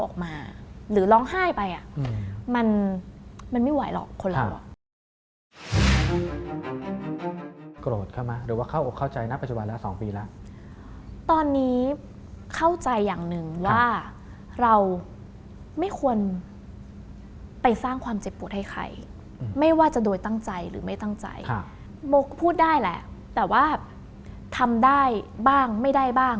บ้างไม่ได้บ้างหรืออะไรบางทีเราไม่รู้ตัวไงค่ะ